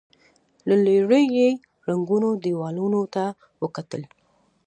له ليرې يې ړنګو دېوالونو ته وکتل.